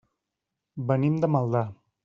Venim de Maldà.